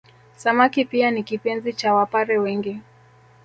Samaki pia ni kipenzi cha Wapare wengi